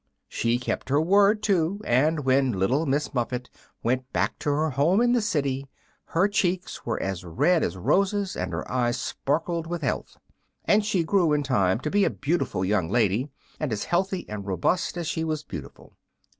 She kept her word, too, and when Little Miss Muffet went back to her home in the city her cheeks were as red as roses and her eyes sparkled with health. And she grew, in time, to be a beautiful young lady, and as healthy and robust as she was beautiful.